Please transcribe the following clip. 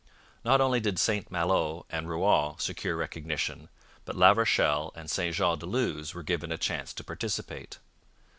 Not only did St Malo and Rouen secure recognition, but La Rochelle and St Jean de Luz were given a chance to participate.